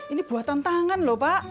ini buatan tangan loh pak